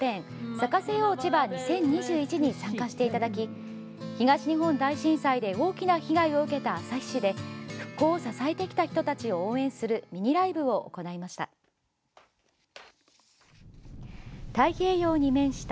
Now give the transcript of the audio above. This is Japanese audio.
「咲かせよう千葉２０２１」に参加していただき東日本大震災で大きな被害を受けた旭市で復興を支えてきた人たちを応援するミニライブを行いました。